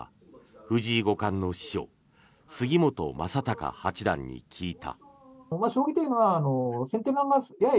藤井五冠の師匠杉本昌隆八段に聞いた。